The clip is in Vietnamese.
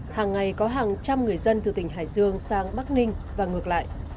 hàng ngày có hàng trăm người dân từ tỉnh hải dương sang bắc ninh và ngược lại